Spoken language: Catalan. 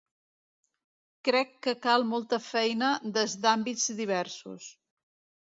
Crec que cal molta feina des d’àmbits diversos.